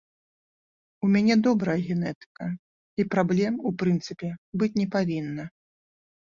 У мяне добрая генетыка, і праблем, у прынцыпе, быць не павінна.